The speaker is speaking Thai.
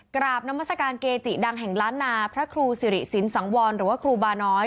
กราบนามัศกาลเกจิดังแห่งล้านนาพระครูสิริสินสังวรหรือว่าครูบาน้อย